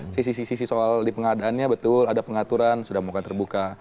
sisi sisi soal di pengadaannya betul ada pengaturan sudah melakukan terbuka